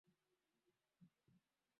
Napenda macho yako gololi